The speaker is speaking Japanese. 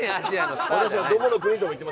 私はどこの国とも言ってません。